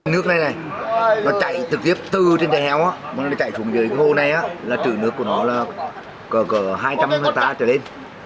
nước này này nó chạy trực tiếp từ trên trại héo nó chạy xuống dưới cái hô này là trữ nước của nó là cỡ cỡ hai trăm linh hectare trở lên